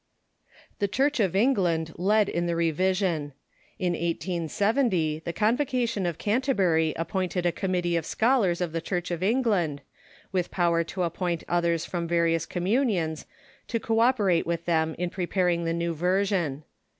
The Church of England led in the revision. In 1870 the Convocation of Canterbury appointed a committee of scholars of the Church of England, with power to appoint The Result ,„®'.^^^., others irom various communions to co operate with them in preparing the new version.